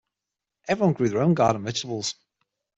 Everyone grew their own garden vegetables.